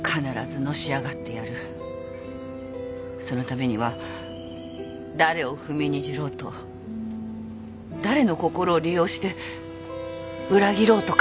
そのためには誰を踏みにじろうと誰の心を利用して裏切ろうと構わない。